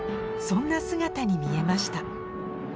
そんな姿に見えました